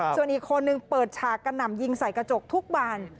ส่วนอีกคนนึงเปิดฉากกระหน่ำยิงใส่กระจกทุกบาน